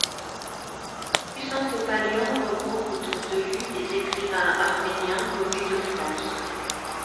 Puzant Topalian regroupe autour de lui des écrivains arméniens connus de France.